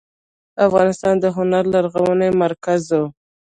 افغانستان د هنر لرغونی مرکز و.